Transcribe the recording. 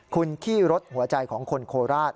คุณขี้รถหัวใจของคนโคราช